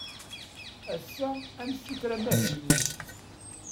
Ass-a, ad nessuter amahil-nni.